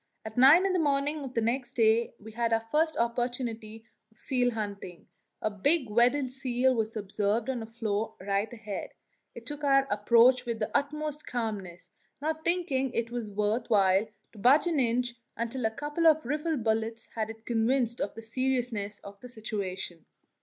At nine in the morning of the next day we had our first opportunity of seal hunting; a big Weddell seal was observed on a floe right ahead. It took our approach with the utmost calmness, not thinking it worth while to budge an inch until a couple of rifle bullets had convinced it of the seriousness of the situation.